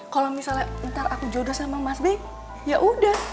kalo misalnya ntar aku jodoh sama mas bek yaudah